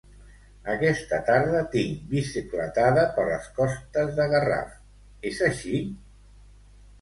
Aquesta tarda tinc bicicletada per les costes de Garraf; és així?